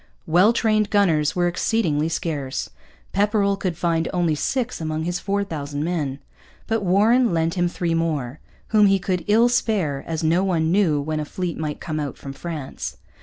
Well trained gunners were exceedingly scarce. Pepperrell could find only six among his four thousand men. But Warren lent him three more, whom he could ill spare, as no one knew when a fleet might come out from France.